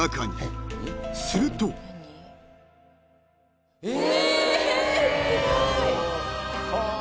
［すると］え！